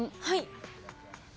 はい。